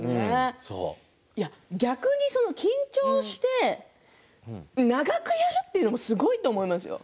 逆に緊張して長くやるというのもすごいと思いますよ。